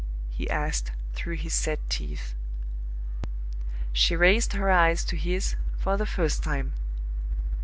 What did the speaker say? he asked, through his set teeth. She raised her eyes to his for the first time.